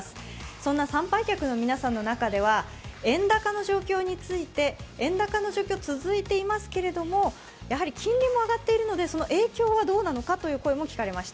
そんな参拝客の皆さんの中には円高の状況について、円高の状況が続いていますけれども、金利も上がっているのでその影響はどうなのかといった声も聞かれました。